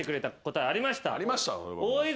ありました。